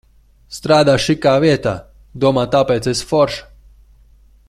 Strādā šikā vietā, domā, tāpēc esi forša.